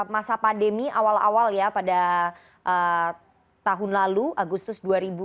masa pandemi awal awal ya pada tahun lalu agustus dua ribu dua puluh